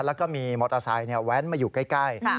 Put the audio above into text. แล้วก็มีมอเตอร์ไซค์แว้นมาอยู่ใกล้